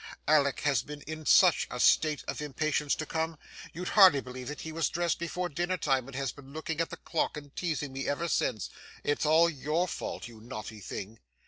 Alick has been in such a state of impatience to come! You'd hardly believe that he was dressed before dinner time and has been looking at the clock and teasing me ever since. It's all your fault, you naughty thing.